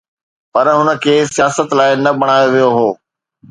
پر هن کي سياست لاءِ نه بڻايو ويو هو.